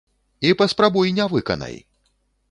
І паспрабуй не выканай!